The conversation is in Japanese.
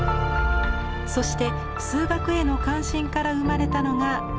そして数学への関心から生まれたのがこの作品でした。